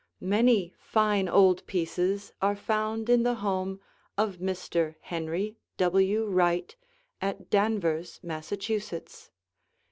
WRIGHT HOUSE] Many fine old pieces are found in the home of Mr. Henry W. Wright at Danvers, Massachusetts.